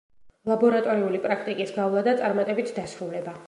ლაბორატორიული პრაქტიკის გავლა და წარმატებით დასრულება.